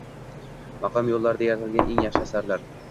Maqom yo‘llarida yaratilgan eng yaxshi asarlar